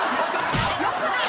よくない。